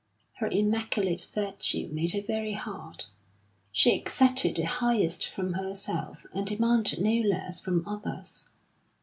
Her immaculate virtue made her very hard; she exacted the highest from herself, and demanded no less from others.